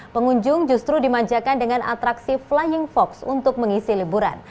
pengunjung justru dimanjakan dengan atraksi flying fox untuk mengisi liburan